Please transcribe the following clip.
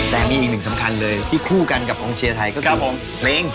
แต่มีอีกหนึ่งสำคัญเลยที่คู่กันกับกองเชียร์ไทยก็คือเพลง